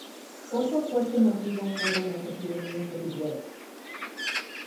Otro fuerte motivo fueron las epidemias de viruela.